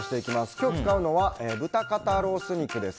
今日使うのは豚肩ロース肉です。